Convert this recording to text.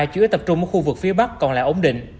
chủ yếu tập trung ở khu vực phía bắc còn lại ổn định